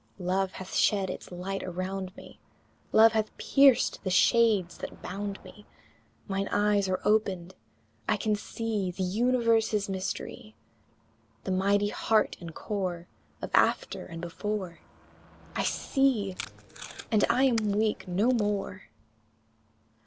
Love hath shed its light around me, Love hath pierced the shades that bound me; Mine eyes are opened, I can see The universe's mystery, The mighty heart and core Of After and Before I see, and I am weak no more!